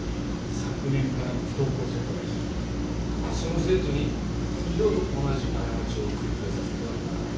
その生徒に二度と同じ過ちを繰り返させてはならない。